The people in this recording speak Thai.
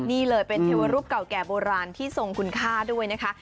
นี่เลยเป็นเทวรูปเก่าแก่โบราณที่ทรงคุณค่าด้วยนะคะ